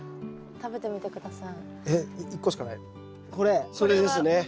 食べてみて下さい。